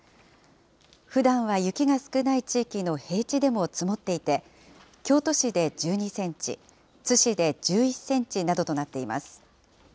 ふだんは雪が少ない地域の平地でも積もっていて、京都市で１２センチ、津市で１１センチなどとなっています。